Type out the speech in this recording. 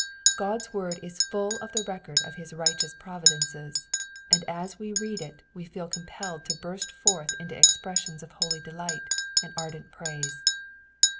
God's word is full of the record of his righteous providences, and as we read it we feel compelled to burst forth into expressions of holy delight and ardent praise.